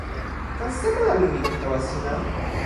tan seme la mi ike tawa sina?